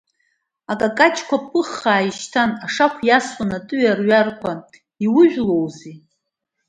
Акакаҷқәа ԥыхха ишьҭан, ашақә иасуан аты ҩарҩарқәа, иужәлоузеи?